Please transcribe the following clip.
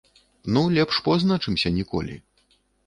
Ну, лепш позна, чымся ніколі.